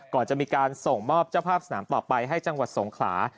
ก่อนจะมีการส่งมอบเจ้าภาพสนามต่อไปให้จังหวัดสงขลา